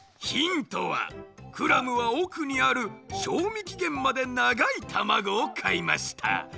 ヒントはクラムはおくにある賞味期限までながいたまごを買いました。